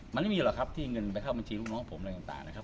มันไม่มีหรอกครับที่เงินเข้าบัญชีลูกน้องผมของเรา